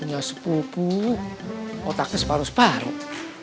punya sepupu otaknya separuh separuh